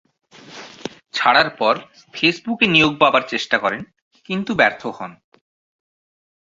ছাড়ার পর ফেসবুক এ নিয়োগ পাবার চেষ্টা করেন, কিন্তু ব্যর্থ হন।